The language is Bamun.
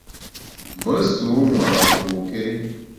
Me nsu nwera pôkéri.